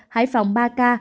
hải phòng ba ca